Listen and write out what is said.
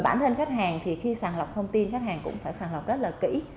bản thân khách hàng khi sản lọc thông tin khách hàng cũng phải sản lọc rất kỹ